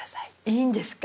いいんですか？